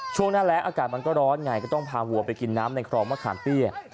ช่วงหน้าแรงอากาศมันก็ร้อนไงก็ต้องพาวัวไปกินน้ำในคลองมะขามเตี้ย